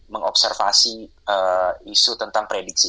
mengobservasi isu tentang predikasi